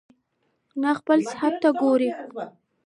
نه خپل حيثت ته وګوري